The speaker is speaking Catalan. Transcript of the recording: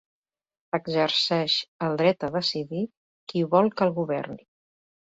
Exerceix el dret a decidir qui vol que el governi.